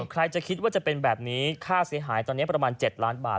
ใครจะคิดว่าจะเป็นแบบนี้ค่าเสียหายตอนนี้ประมาณ๗ล้านบาท